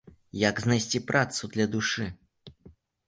Як знайсці працу для душы?